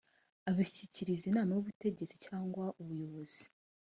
abishyikiriza inama y’ubutegetsi cyangwa ubuyobozi